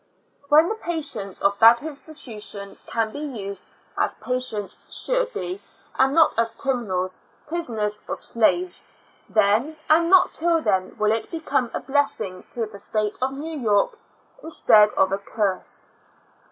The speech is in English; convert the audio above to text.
When the patients of that institution can be used as patients should be, and not as criminals, prisoners or slaves, then, and not IN A Lunatic Asylum. 75 till then, will it become a blessing lo the State of New York instead of a curse.